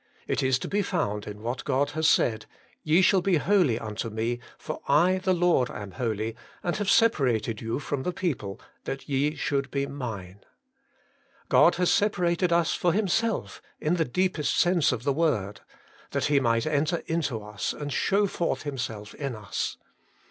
It is to be found in what God has said, 'Ye shall be holy unto me, for I the Lord am holy, and have separated you from the people, that ye should be MINK' God has separated us for Himself in the deepest sense of the word ; that He might enter into us, and show forth Himself in us.